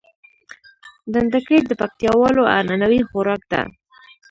ډنډکی د پکتياوالو عنعنوي خوارک ده